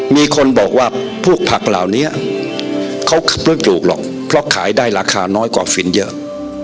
มีคนบอกว่าพวกผักเหล่านี้เขาไม่ปลูกหรอกเพราะขายได้ราคาน้อยกว่าฟินเยอะ